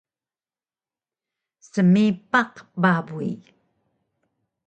psinaw ka duma ni bitaq smipaq babuy